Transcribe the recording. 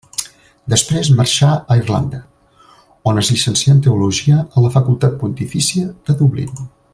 Després marxà a Irlanda, on es llicencià en Teologia en la Facultat Pontifícia de Dublín.